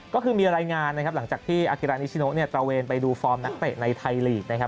ก็คือมีรายงานหลังจากที่อากิรันด์อิชิโนะตระเวนไปดูฟอร์มนักเตะในไทยลีก